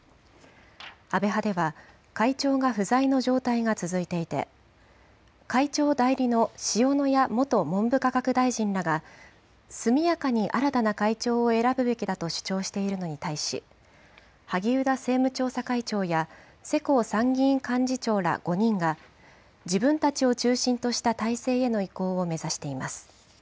安倍派では会長が不在の状態が続いていて、会長代理の塩谷元文部科学大臣らが速やかに新たな会長を選ぶべきだと主張しているのに対し、萩生田政務調査会長や世耕参議院幹事長ら５人が、自分たちを中心とした体制への移行を目指しています。